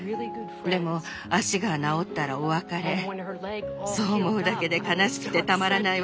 でも「足が治ったらお別れ」そう思うだけで悲しくてたまらない